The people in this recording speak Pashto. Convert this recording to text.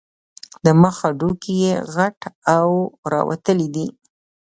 د مخ هډوکي یې غټ او راوتلي دي.